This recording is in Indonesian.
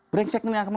brengsek ini kamu